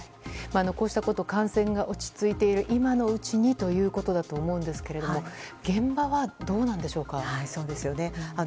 こうしたことを感染が落ち着いている今のうちにということだと思うんですが現場はどうなんでしょうか。